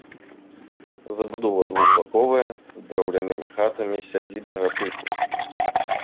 Забудова двухбаковая, драўлянымі хатамі сядзібнага тыпу.